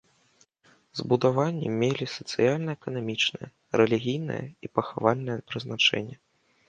Збудаванні мелі сацыяльна-эканамічнае, рэлігійнае і пахавальнае прызначэнне.